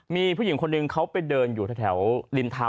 มีผู้หญิงคนหนึ่งว่าเขาไปเดินอื่นถัวแถวลินทาง